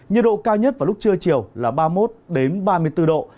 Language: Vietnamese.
nhiệt độ cao nhất vào lúc trưa chiều là ba mươi một ba mươi bốn độ